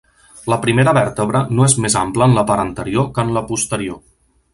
La primera vèrtebra no és més ampla en la part anterior que en la posterior.